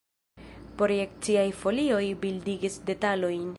Projekciaj folioj bildigis detalojn.